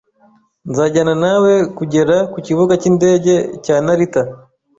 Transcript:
Nzajyana nawe kugera ku Kibuga cy'indege cya Narita